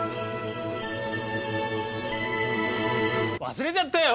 忘れちゃったよ！